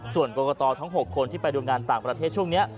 ส่วนกรกตทั้ง๖คนที่ไปดูงานต่างประเทศช่วงนี้